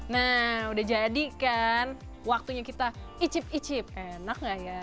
nah udah jadikan waktunya kita icip icip enak nggak ya